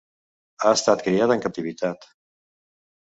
Ha estat criat en captivitat.